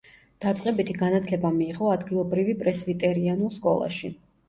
დაწყებითი განათლება მიიღო ადგილობრივი პრესვიტერიანულ სკოლაში.